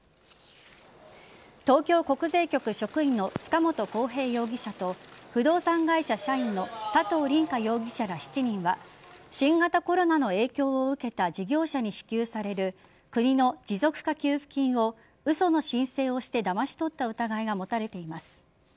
東京国税局職員の塚本晃平容疑者と不動産会社社員の佐藤凜果容疑者ら７人は新型コロナの影響を受けた事業者に支給される国の持続化給付金を嘘の申請をしてだまし取った疑いが持たれています。